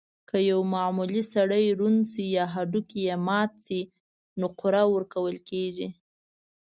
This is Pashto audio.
که یو معمولي سړی ړوند شي یا هډوکی یې مات شي، نقره ورکول کېږي.